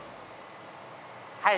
はい。